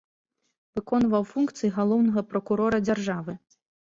Выконваў функцыі галоўнага пракурора дзяржавы.